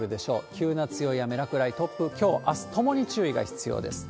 急な強い雨、落雷、突風、きょう、あすともに注意が必要です。